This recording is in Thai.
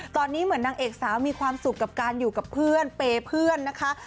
ตอนนี้เหมือนนางเอกสาวมีความสุขกับการอยู่กับเพื่อนเปย์เพื่อนนะคะ